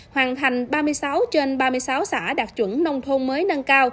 hoàn thành ba mươi sáu trên ba mươi sáu xã đạt chuẩn nông thôn mới nâng cao